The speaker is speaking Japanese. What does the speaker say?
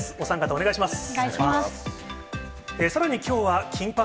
お願いします。